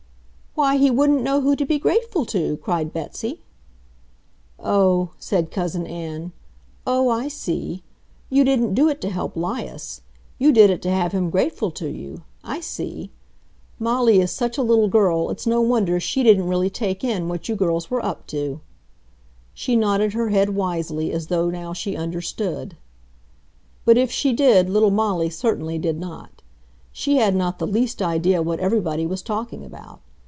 "Why, he wouldn't know who to be grateful to," cried Betsy. "Oh," said Cousin Ann. "Oh, I see. You didn't do it to help 'Lias. You did it to have him grateful to you. I see. Molly is such a little girl, it's no wonder she didn't really take in what you girls were up to." She nodded her head wisely, as though now she understood. But if she did, little Molly certainly did not. She had not the least idea what everybody was talking about.